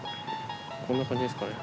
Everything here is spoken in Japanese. こんな感じですかね？